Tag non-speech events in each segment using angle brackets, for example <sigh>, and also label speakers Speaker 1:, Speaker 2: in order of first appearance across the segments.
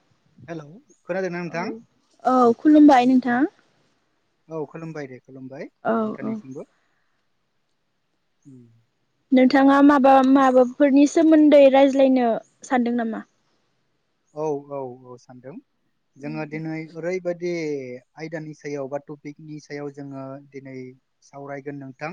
Speaker 1: <inaudible>
Speaker 2: Hello खोनादोंना
Speaker 1: <inaudible> औ
Speaker 2: नोंथां
Speaker 1: औ खुलुमबाय नोंथां।
Speaker 2: औ खुलुमबाय दे खुलुमबाय
Speaker 1: औ औ
Speaker 2: नोंथांनिसिमबो।
Speaker 1: नोंथाङा माबा माबाफोरनि सोमोन्दै रायज्लायनो सानदों नामा?
Speaker 2: औ औ औ सानदों जोङो दिनै ओरैबायदि बे आयदानि सायाव बा टपिकनि सायाव जोङो दिनै सावरायगोन नोंथां।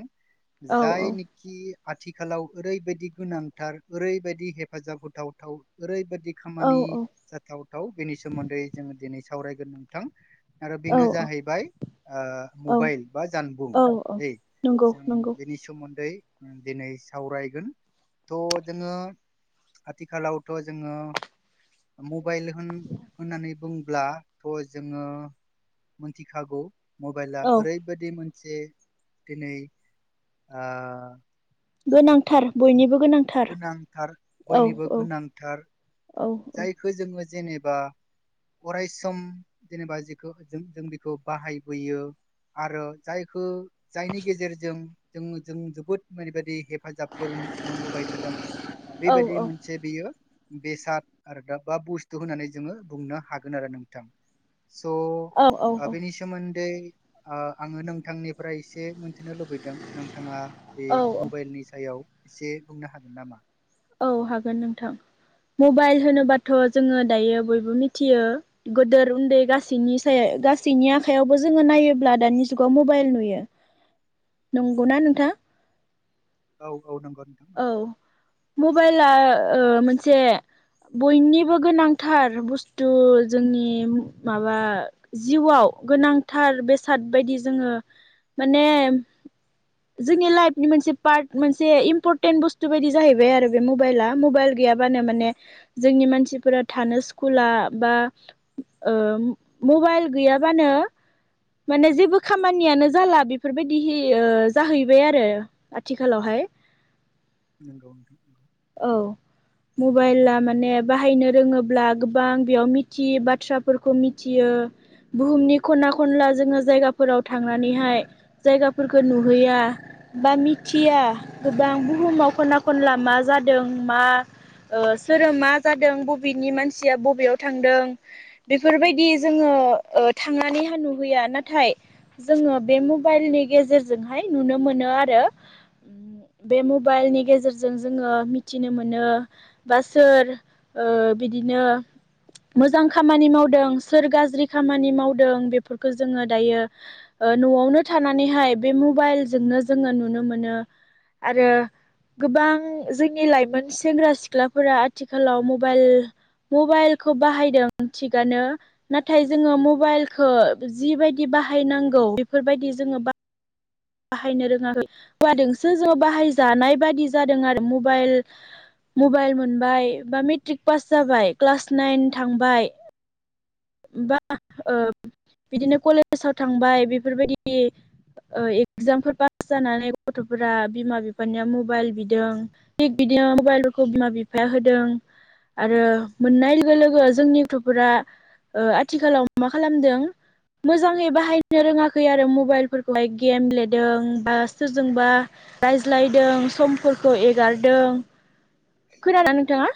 Speaker 1: औ
Speaker 2: जाय
Speaker 1: औ
Speaker 2: निकि आथिखालाव ओरैबायदि गोनांथार ओरैबायदि हेफाजाब होथावथाव ओरैबायादि
Speaker 1: औ
Speaker 2: खामानि
Speaker 1: औ
Speaker 2: जाथावथाव बेनि सोमोन्दै जोङो दिनै सावरायगोन नोंथां। आरो
Speaker 1: औ
Speaker 2: बेनो जाहैबाय ओ
Speaker 1: औ
Speaker 2: मबाइल बा जानबुं
Speaker 1: औ औ
Speaker 2: <unintelligible>
Speaker 1: नंगौ
Speaker 2: जों
Speaker 1: नंगौ
Speaker 2: बेनि सोमोन्दै दिनै सावरायगोन थ' जोङो आथिखालावथ' जोङो मबाइल होन होननानै बुं ब्ला थ' जोङो मोन्थिखागौ मबाइला
Speaker 1: औ
Speaker 2: ओरैबायदि मोन से दिनै ओ
Speaker 1: गोनांथार बयनिबो गोनांथार
Speaker 2: गोनांथार
Speaker 1: औ
Speaker 2: बयनिबो
Speaker 1: औ
Speaker 2: गोनांथार
Speaker 1: औ
Speaker 2: जायखो जोङो जेनेबा अरायसम जेनेबा जेखो जों बिखौ बाहायबोयो आरो जायखो जायनि गेजेरजों जोङो जों जोबोद माने बायदि हेफ फाजाबफोर मोनबोबाय थादों
Speaker 1: औ
Speaker 2: बेबायदि मोनसे बेयो बेसाद आरो दा बा बुस्थु होननानै जोङो बुंनो हागोन आरो नोंथां। स
Speaker 1: औ
Speaker 2: आ
Speaker 1: औ
Speaker 2: बेनि सोमोनदै ओ आङो नोंथांनिफ्राय एसे मोन्थिनो लुबैदों नोंथाङा बे
Speaker 1: औ
Speaker 2: मबाइलनि सायाव एसे बुंनो हागोन नामा?
Speaker 1: औ हागोन नोंथां मबाइल होनोबाथ' जोङो दायो बयबो मिथियो। गोदोर उन्दै गासैनि साया गासैनि आखाइायावबो जोङो नायोब्ला दानि जुगाव मबाइल नुयो। नंगौना नोंथा?
Speaker 2: औ औ नंगौ नोंथां नंगौ।
Speaker 1: मबाइला ओ मोनसे बयनिबो गोनांथार बुस्थु जोंनि माबा जिउआव गोनांथार बेसाद बायदि जोङो माने जोंनि लाइफनि मोनसे पार्ट मोनसे इम्पर टेन्ट बुस्थु बायदि जाहैबाय आरो बे मबाइला मबाइल गैयाबानो माने जोंनि मानसिफोरा थानो सुखु कुला बा ओ मबाइल गैयाबानो माने जेबो खामानियानो जाला बेफोरबायदिहि ओ जाहैबाय आरो आथिखालावहा हाय।
Speaker 2: नंगौ नोंथां नंगौ।
Speaker 1: मबाइला माने बाहायनो रोङोब्ला गोबां बेयाव मिथियै बाथ्राफोरखौ मिथियो। बुहुमनि खना खनला जोङो जायगाफोराव थांनानैहाय जायगाफोरखौ नुहैया बा मिथिया गोबां बुहुमाव खना खनला मा जादों मा ओ सोरो मा जादों बबेनि मानसिया बबेयाव थांदों बेफोरबायदि जोङो। ओ थांनानैहा नुहैया नाथाय जोङो बे मबाइलनि गेजेरजोंहाय नुनो मोनो आरो ओम बे मब बाइलनि गेजेरजों जोङो मिथिनो मोनो बा सोर ओ बिदिनो मोजां खामानि मावदों सोर गाज्रि खामानि मावदों बेफोरखौ जोङो दायो न'आवनो थानानैहाय बे मबाइलजोंनो जोङो नुनो मोनो आरो गोबां जोंनि लाइमोन सेंग्रा सिख्लाफोरा आथिखालाव मबाइल मबाइलखौ बाहायदों थिगानो नाथाय जोङो मबाइलखो जिबायदि बा बाहायनांगौ बेफोरबायदि जोङो बा बाहायनो रोङाखै मबाइल जोंसो जोङो बाहायजानाय बादि जादों आरो मबाइल मबाइल मोनबाय बा मेट्रिक पास जाबाय क्लास नाइन थांबाय बा ओ बिदिनो कलेसाव थांबाय बेफोरबायदि एगजामफोर पास जानानै गथ'फोरा बिमा बिफानिया मबाइल बिदों थिग बिदि बिदिनो मबाइलफोरखौ बिमा बिफाया होदों। आरो मोननाय लोगो लोगो जोंनि गथ'फोरा ओ आथिखालाव मा मा खालामदों। मोजाङै बाहायनो रोङाखै आरो मबाइलफोरखौहाय गेम लेदों बा सोरजोंबा रायज्लायदों समफोरखौ एगारदों। खोनादोंना नोंथाङा?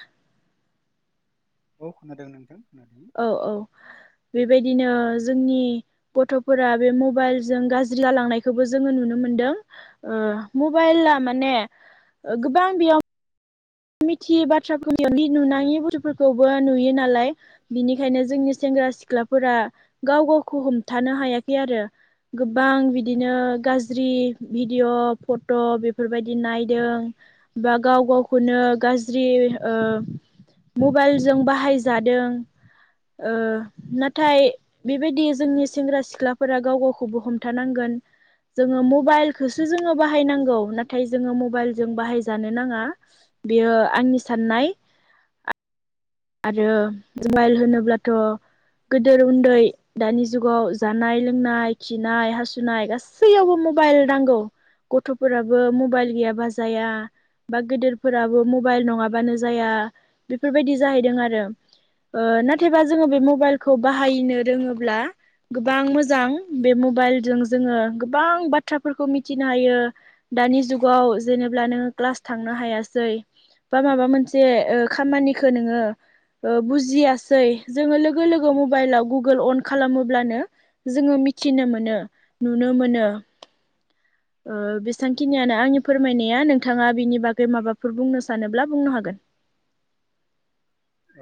Speaker 2: औ खोनादों नोंथां। खोनादों
Speaker 1: औ औ बेबायदिनो जोंनि गथ' फोरा बे मबाइलजों गाज्रि जालांनायखोबो जोङो नुनो मो मोनदों मबाइला माने गोबां बेयाव मिथियै बाथ्राखौ नुनाङि नुनाङि बुस्थु'फोरखौबो नुयो नालाय बिनिखायनो जोंनि सें सेंग्रा सिख्लाफोरा गाव गावखौ हमथानो हायाखै आरो। गोबां बिदिनो गाज्रि भिडिअ' फट' बेफोरबायदि नायदों। बा गाव गावख खौनो गाज्रि ओ मबाइलजों बाहायजादों। ओ नाथाय बेबायदि जोंनि सेंग्रा सिख्लाफोरा गाव गावखौबो हमथानांगोन। जोङो मबाइलखौसो जोङो बाहायनांगौ नाथाय जोङो मबाइल जों बाहायजानो नाङा। बेयो आंनि साननाय आं। आरो मबाइल होनोब्लाथ'। गोदोर उन्दै दानि जुगाव जानाय लोंनाय खिनाय हासुनाय गासैयावबो म मबाइल नांगौ गथ'फोराबो मबाइल गैयाबा जाया। बा गेदेरफोराबो मबाइल नङाबानो जाया बेफोरबायदि जाहैदों आरो। ओ नाथायबा जोङो बे मबाइलखौ बाहायनो रोङोब्ला। गोबां मोजां बे मबाइलजों जोङो गोबां बाथ्राफोरखौ मिथिनो हायो। दानि जुगाव जेनेब्ला‌ नोङो क्लास थांनो हायासै। बा माबा मोनसे ओ खामानिखौ नोङो। ओ बुजियासै जोङो लोगो लोगो मबाइलाव गुगोल अन खालामोब्लानो जोङो मि मिथिनो मोनो नुनो मोनो। ओ बेसेबांखिनियानो आंनि फोरमायनाया नोंथाङा बेनि बागै माबाफोर बुंनो सानोब्ला बुंनो हागोन। <inaudible>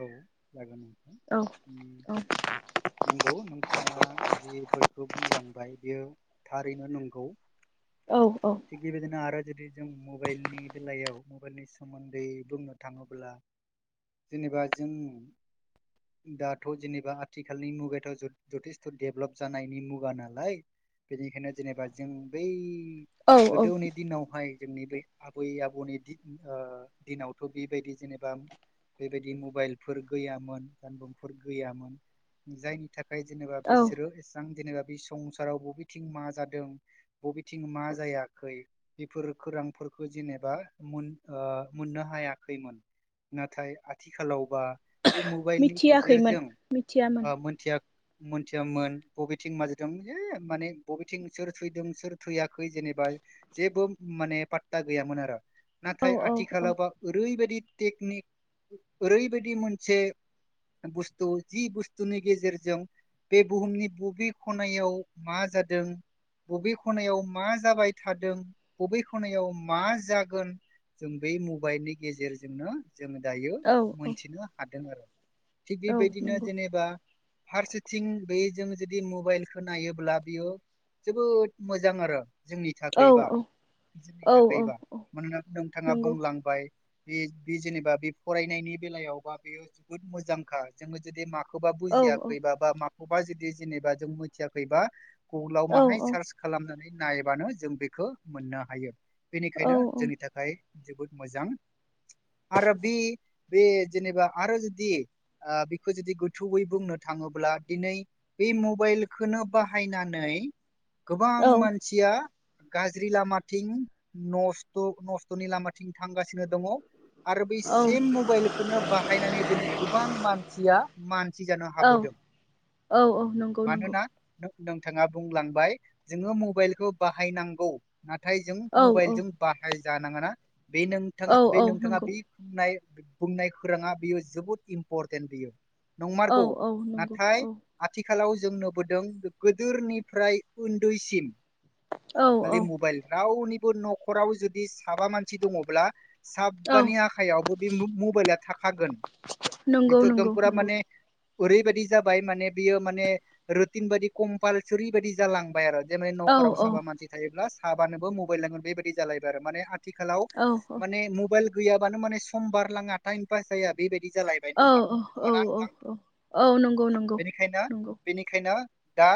Speaker 2: औ जागोन।
Speaker 1: औ औ
Speaker 2: नोंगौ नोंथाङा जि फोर खो बुंलांबाय बियो थारैनो नंगौ।
Speaker 1: औ औ
Speaker 2: थिग बेबायदिनो आरो जुदि जों मबाइलनि बेलायाव। मबाइलनि सोमोन्दै बुंनो थाङोब्ला जेनेबा जों। दाथ' जेनेबा आथिखालनि मुगाथ' जथेस्थ' दडेभलप जानायनि मुगा नालाय। बेनिखायनो जेनेबा जों बै
Speaker 1: औ औ
Speaker 2: गोदोनि दिनावहाय। जोंनि बे आबै आबौनि दि ओ दिनावथ' बेबायदि जेनेबा। बेबायदि मबाइलफोर गैयामोन जानबुंफोर गैयामोन जायनि। थाखाय जेनेबा
Speaker 1: औ
Speaker 2: बिसोरो एसां। जेनेबा बे संसाराव बबेथिं मा जादों बबेथिं मा जायाखै बेफोर खो। रांफोरखौ जेनेबा मोन ओ मोननो हायाखैमोन नाथाय। आथिखालाव बा बे मबाइलनि
Speaker 1: मिथियाखैमोन
Speaker 2: गेजेरजों
Speaker 1: मिथियामोन
Speaker 2: ओ मोनथिया। मोनथियामोन बबेथिं माजदों ए माने बबेथिं सोर थैदों सोर थैयाखै जेनेबा। जेबो माने पात्ता गैयामोन आरो।
Speaker 1: औ
Speaker 2: नाथाय
Speaker 1: औ औ
Speaker 2: आथिखालावबा ओरैबायदि टेकनिक ओरैबायदि मोनसे। बुस्थु जि बुस्थुनि गेजेरजों। बे बुहुमनि बबे खनायाव मा जादों। बबे खनायाव मा जाबाय थादों बबे खनायाव मा जागोन। जों बे मबाइलनि गेजेरजोंनो जोङो दायो
Speaker 1: औ
Speaker 2: मोनथिनो हादों आरो। थिग
Speaker 1: औ
Speaker 2: बेबायदिनो
Speaker 1: नंगौ
Speaker 2: जेनेबा फार्स्टथि बे। जों जुदि मबाइलखौ नायोब्ला बियो जोबोद मोजां आरो। जोंनि
Speaker 1: औ
Speaker 2: थाखायबा
Speaker 1: औ
Speaker 2: जोंनि
Speaker 1: औ औ
Speaker 2: थाखायबा
Speaker 1: औ
Speaker 2: मानोना नोंथाङा
Speaker 1: नंगौ
Speaker 2: बुंलांबाय। बे बे जेनेबा बे फरायनायनि बेलायावबा बेयो जोबोद मोजांखा जोङो जुदि माख। माखौबा
Speaker 1: औ औ
Speaker 2: बुजियाखैबा बा माखौबा जुदि जेनेबा जों मिथियाखैबा। गुगोलाव
Speaker 1: औ
Speaker 2: माहाय सार्च खालामनानै नायबानो जों बेखौ मोननो हायो।
Speaker 1: औ
Speaker 2: बेनिखायनो जोंनि थाखाय जोबोद मोजां आरो बे। बे जेनेबा आरो जुदि ओ बेखौ जुदि गोथौयै बुंनो थाङोब्ला दिनै। बे मबाइलखो बाहायनानै गोबां मानसिया। गाज्रि लामाथिं नस्थ' नस्थ'नि लामाथिं थांगासिनो दङ। आरोबैस मबाइलखौनो बाहायनानै दिनै गोबां मानसिया मानसि जानो
Speaker 1: औ
Speaker 2: हाबोदों
Speaker 1: औ औ नंगौ नंगौ
Speaker 2: मानोना नोंथाङा बुंलांबाय जोङो मबाइलखौ बाहायनांगौ नाथाय जों
Speaker 1: औ औ
Speaker 2: मबाइलजों बाहाय जानाङाना बे
Speaker 1: औ
Speaker 2: नोंथाङा बे
Speaker 1: औ
Speaker 2: नोंथाङा
Speaker 1: नंगौ
Speaker 2: बे बुंनाय बुंनाय खौराङा बियो जोबोद इम्परटेन्ट बियो
Speaker 1: औ
Speaker 2: नंमारगौ
Speaker 1: औ नंगौ
Speaker 2: नाथाय
Speaker 1: औ
Speaker 2: आथि खालाव जों नुबोदों गोदोरनिफ्राय उन्दैसिन
Speaker 1: औ
Speaker 2: खालि मबाइल रावनिबो न'खराव जुदि साबा मानसि दङब्ला
Speaker 1: औ
Speaker 2: साबानि आखायावबो बे मो मबाइला थाखागोन
Speaker 1: नंगौ
Speaker 2: बेथ' एकदम
Speaker 1: नंगौ
Speaker 2: फुरा
Speaker 1: नंगौ
Speaker 2: माने ओरैबायदि जाबाय माने बियो माने रुटिन बायदि कम्पालसरि बायदि जालांबाय आरो जे मानै
Speaker 1: औ
Speaker 2: न'खराव
Speaker 1: औ
Speaker 2: साबा मानसि थायोब्ला साबानोबो मबाइल लांगोन बेबायाददि जालायबाय आरो माने आ थिखालाव
Speaker 1: औ
Speaker 2: माने मबाइल गैयाबानो माने सम बार लाङा टाइम पास जाया बेबायदि जालायबाय
Speaker 1: औ
Speaker 2: नोंथां
Speaker 1: औ
Speaker 2: नङाना
Speaker 1: औ
Speaker 2: नोंथां
Speaker 1: औ नंगौ नंगौ
Speaker 2: बेनिखायनो
Speaker 1: नंगौ
Speaker 2: बेनिखायनो दा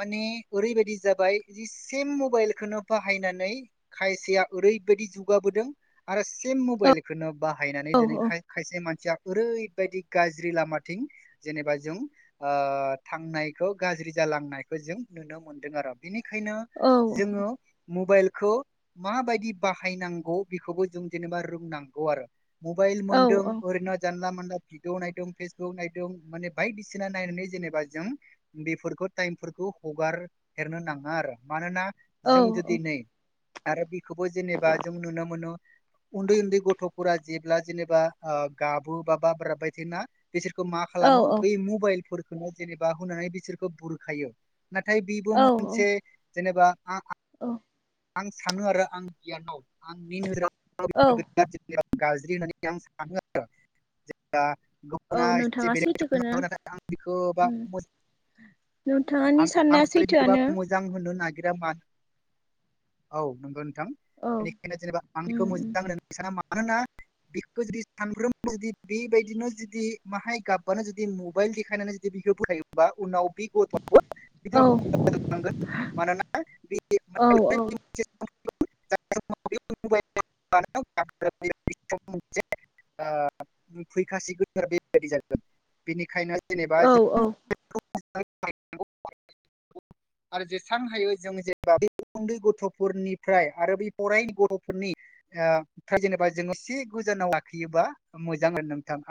Speaker 2: माने ओरैबायदि जाबाय जि सेम मबाइलखौनो बाहायनानै खायसेया ओरै बायदि जुगाबोदों आरो से
Speaker 1: औ
Speaker 2: मबाइखौनो बाहायनानै
Speaker 1: औ
Speaker 2: दिनै
Speaker 1: औ
Speaker 2: खाय आयसेया मानसिया ओरैबायदि गाज्रि लामाथिं जेनेबा जों अ थांनायखौ गाजरि जालांनायखौ जों नुनो मोनदों आरो निखायनो जो
Speaker 1: औ
Speaker 2: मबाइ खौ माबायदि बाहायनांगौ बेखौबो जों जेनेबा रोंनांगौ आरो मबाइल
Speaker 1: औ
Speaker 2: मन्दों ओरैनो जानला मनला भिदिअ नायदों फेसबुक नायदों माने बायदिसिना नायनानै जेनेबा जों बेफोरखौ टाइमफोरखौ हगार हेरनो नाङा आरो मानोना
Speaker 1: औ
Speaker 2: जों जुदि नै आरो बेखौबो जेनेबा जों नुनो मोनो उन्दै उन्दै गथ' फुरा जेब्ला जेनेबा अ गाबु बा बाब्राबबाय थायोना बिसोरखौ मा
Speaker 1: औ
Speaker 2: खालामो बै मबाइलफोरखौनो जेनेबा होनानै बिसोरखौ बुरखायो नाथाय बेबो
Speaker 1: औ
Speaker 2: मोनसे जेनेबा आ
Speaker 1: औ
Speaker 2: आं सानो आरो आं गियानाव आंनि नोजोराव
Speaker 1: औ
Speaker 2: <unintelligible> गाज्रि होनै आं सानो आरो जेब्ला
Speaker 1: औ नोंथाङा
Speaker 2: <unintelligible>
Speaker 1: सैथोखौनो उम नोंथाङानि
Speaker 2: आं
Speaker 1: साननाया
Speaker 2: बेखौबा
Speaker 1: सैथोआनो
Speaker 2: मोजां होननो ना गिरा मा औ नंगो। थां
Speaker 1: औ
Speaker 2: बेनिखायनो जेनेबा आं
Speaker 1: उम
Speaker 2: बेखौ
Speaker 1: उम
Speaker 2: मोजां होन साना मानोना बेखो जुदि सानफ्रोमबो जुदि बेबायदिनो जुदि माहाय गाबबानो जुदि मबाइल देखायनानै जुदि बिखौ बोरखायोबा उनाव बे गथवाबो बिदिनो
Speaker 1: औ
Speaker 2: गोननांगोन मानोना बे
Speaker 1: औ औ
Speaker 2: <unintelligible> <unintelligible> फैखासिगोनफोरा बेबायदि जागोन बेनिखायनो जेनेबा
Speaker 1: औ
Speaker 2: जों
Speaker 1: औ
Speaker 2: <unintelligible> आरो जेसबां हायो जों जेनेबा उन्दै गथ'फोरनिफ्राय आरो बि फरायनाय गथ'फोरनिफ्राय जेनेबा जोङो सि गोजानाव लाखियोबा मोजां नोंथां।